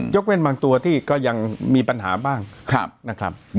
กเว้นบางตัวที่ก็ยังมีปัญหาบ้างนะครับ